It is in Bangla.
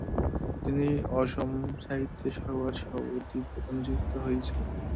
তিনি অসম সাহিত্য সভার সভাপতি পদে নিযুক্ত হয়েছিলেন।